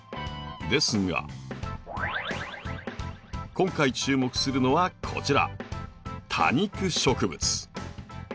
ですが今回注目するのはこちら多肉植物。